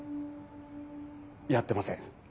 やってません。